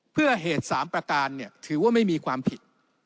เพื่อเหตุ๓ประการถือว่าไม่มีความผิด